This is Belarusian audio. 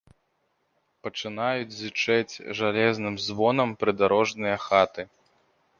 Пачынаюць зычэць жалезным звонам прыдарожныя хаты.